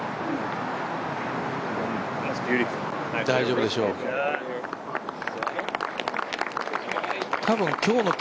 大丈夫でしょう。